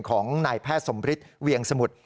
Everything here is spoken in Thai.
ของนายแพทย์สมฤทธิ์เวียงสมุทร